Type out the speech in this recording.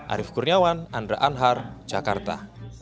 arief kurniawan andra anhar jakarta